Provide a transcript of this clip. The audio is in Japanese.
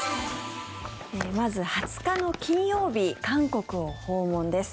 まず、２０日の金曜日韓国を訪問です。